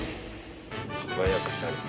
輝くシャリ。